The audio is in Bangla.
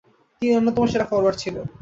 তিনি অন্যতম সেরা ফরোয়ার্ড ছিলেন।